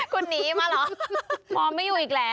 คุณหนีมาเหรอพอไม่อยู่อีกแล้ว